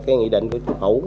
cái nghị định của chủ phủ